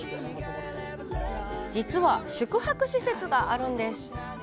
実は、宿泊施設があるんです。